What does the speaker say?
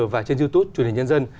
và trên youtube truyền hình nhân dân